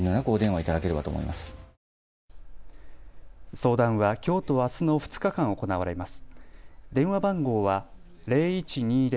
相談はきょうとあすの２日間行われます。